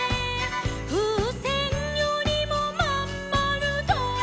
「ふうせんよりもまんまるだ」